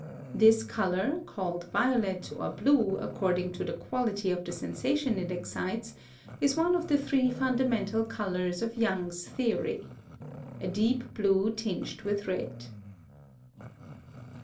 This color, called violet or blue according to the quality of the sensation it excites, is one of the three fundamental colors of Young's theory. A deep blue tinged with red.